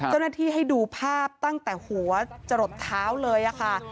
เต้นหน้าที่ให้ดูภาพตั้งแต่หัวจรดเท้าเลยค่ะ